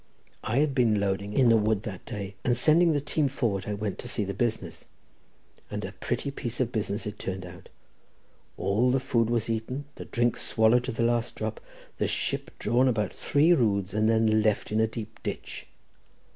I had been loading in the wood that day, and sending the team forward, I went to see the business—and a pretty piece of business it turned out. All the food was eaten, the drink swallowed to the last drop, the ship drawn about three roods, and then left in a deep ditch.